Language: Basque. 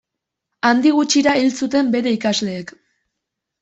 Handik gutxira hil zuten bere ikasleek.